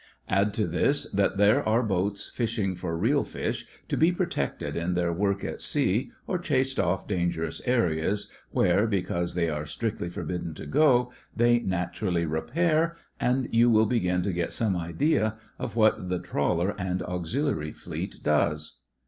Add to this, that there are boats fishing for real fish, to be protected in their work at sea or chased off dangerous areas where, because they are strictly forbidden to go, they naturally repair, and you will begin to get some idea of what the Trawler and Auxiliary Fleet does.